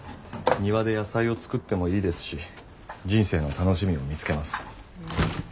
庭で野菜を作ってもいいですし人生の楽しみを見つけます。